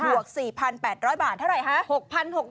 บวก๔๘๐๐บาทเท่าไรฮะ